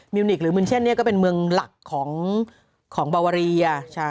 นิกหรือมึนเช่นก็เป็นเมืองหลักของบาวาเรีย